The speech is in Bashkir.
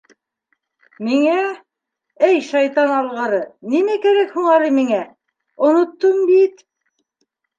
Миңә... әй, шайтан алғыры, нимә кәрәк һуң әле миңә, оноттом бит...